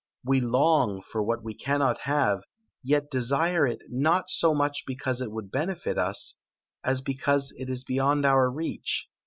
We long for what we cannot have, yet desire it not so much because it would bbneBt us, as because it is beyond our reach.